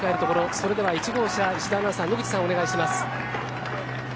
それでは１号車、石田アナウンサー、野口さんお願いします。